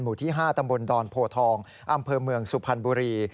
ที่๕ตำบลดอนโพทองอำเภอเมืองสุพรรณบุรี